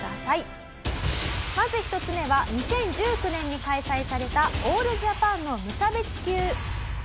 まず１つ目は２０１９年に開催されたオールジャパンの無差別級。